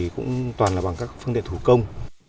cũng toàn bằng các phương tiện thủ công